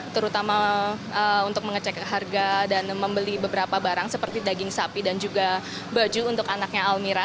terutama untuk mengecek harga dan membeli beberapa barang seperti daging sapi dan juga baju untuk anaknya almira